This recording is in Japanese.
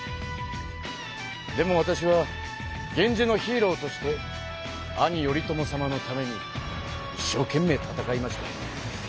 でもわたしは源氏のヒーローとして兄頼朝様のためにいっしょうけんめい戦いました。